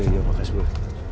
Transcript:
iya pak kasbul